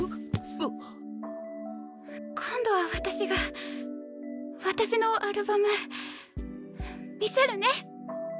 今度は私が私のアルバム見せるね。